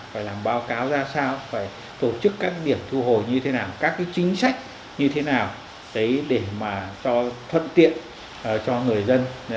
phải làm báo cáo ra sao phải tổ chức các điểm thu hồi như thế nào các chính sách như thế nào để mà cho thuận tiện cho người dân